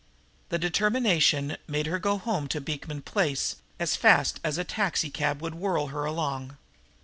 The determination made her go home to Beekman Place as fast as a taxicab would whirl her along.